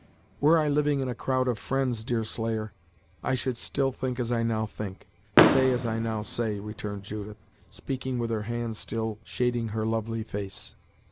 "Were I living in a crowd of friends, Deerslayer, I should still think as I now think say as I now say," returned Judith, speaking with her hands still shading her lovely face.